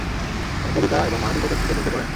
তিনি কবিতা এবং মানবিকতার দিকে ঝোঁকে পড়েন।